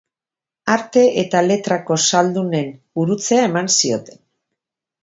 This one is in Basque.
Arte eta Letretako zaldunen gurutzea eman zioten.